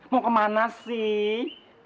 mau ke mana sih